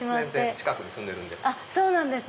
近くに住んでるんで。